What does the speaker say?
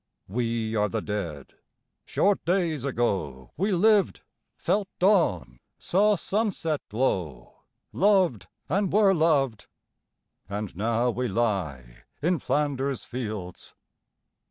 We are the Dead. Short days ago We lived, felt dawn, saw sunset glow, Loved, and were loved, and now we lie In Flanders fields.